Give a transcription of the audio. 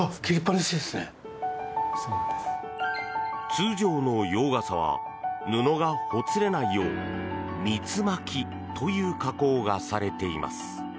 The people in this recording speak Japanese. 通常の洋傘は布がほつれないよう三巻という加工がされています。